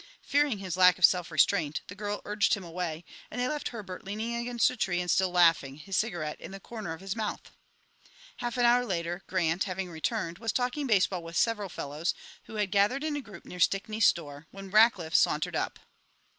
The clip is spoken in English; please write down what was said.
Fearing his lack of self restraint, the girl urged him away, and they left Herbert leaning against a tree and still laughing, his cigarette in the corner of his mouth. Half an hour later Grant, having returned, was talking baseball with several fellows who had gathered in a group near Stickney's store, when Rackliff sauntered up.